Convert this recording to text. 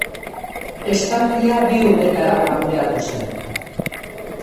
Estalkia bi uretara planteatu zen.